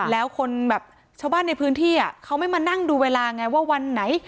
แล้วคนแบบชาวบ้านในพื้นที่เขาไม่มานั่งดูเวลาไงว่าวันไหน